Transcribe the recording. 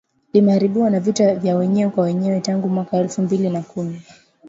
limeharibiwa na vita vya wenyewe kwa wenyewe tangu mwaka elfu mbili na kumi